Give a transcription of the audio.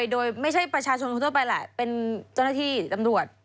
โดยไม่ใช่ประชาชนคนทั่วไปแหละเป็นเจ้าหน้าที่ตำรวจ